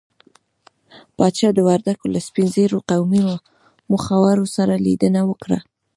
پاچا د وردګو له سپين ږيرو قومي مخورو سره ليدنه وکړه.